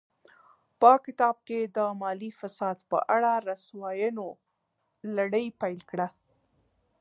په کتاب کې د مالي فساد په اړه رسواینو لړۍ پیل کړه.